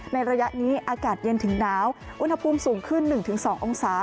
ระยะนี้อากาศเย็นถึงหนาวอุณหภูมิสูงขึ้น๑๒องศา